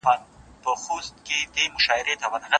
استاد د څيړني موضوع څنګه تاییدوي؟